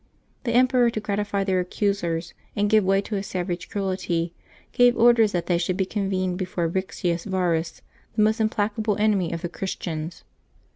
The em peror, to gratify their accusers and give way to his savage cruelty, gave orders that they should be convened before Eictius Varus, the most implacable enemy of the Chris tians.